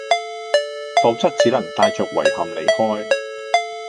否則只能帶著遺憾離開